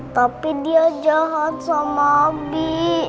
tapi dia jahat sama abi